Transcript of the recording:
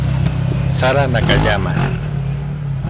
Sara Nakayama